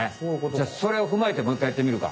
じゃあそれをふまえてもういっかいやってみるか。